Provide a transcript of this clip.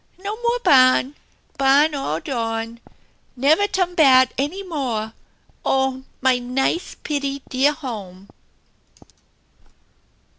No more barn! Barn all dawn! Never turn bat any mohl Oh, mine nice, pitty dear home